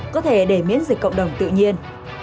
có thể để miễn dịch cộng đồng tự nhiên